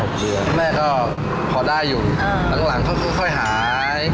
ครั้งแรกก็พอได้อยู่หลังเคยหาย